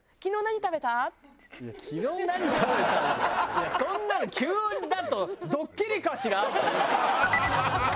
いやそんなの急だと「ドッキリかしら？」。